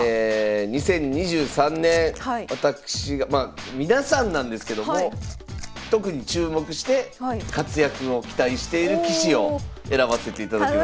２０２３年私がまあ皆さんなんですけども特に注目して活躍を期待している棋士を選ばせていただきましたので。